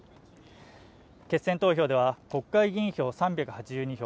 決選投票では国会議員票３８２票